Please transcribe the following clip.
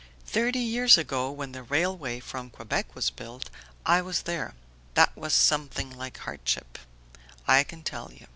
"Thirty years ago, when the railway from Quebec was built, I was there; that was something like hardship, I can tell you!